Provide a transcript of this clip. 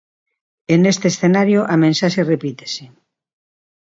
E neste escenario a mensaxe repítese...